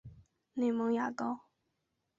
内蒙邪蒿